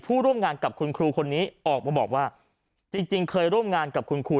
ร่วมงานกับคุณครูคนนี้ออกมาบอกว่าจริงเคยร่วมงานกับคุณครู